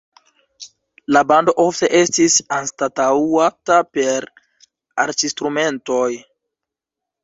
La bando ofte estis anstataŭata per arĉinstrumentoj.